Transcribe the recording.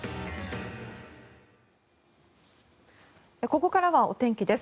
ここからはお天気です。